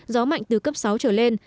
gió mạnh từ cấp sáu trở lên